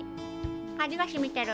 味がしみてる。